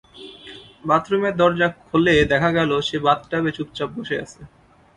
বাথরুমের দরজা খুলে দেখা গেল সে বাথটাবে চুপচাপ বসে আছে।